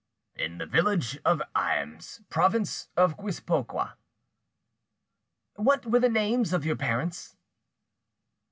"In the village of Aymes, province of Guipuscoa." "What were the names of your parents?"